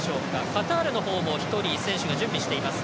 カタールのほうも１人、選手が準備しています。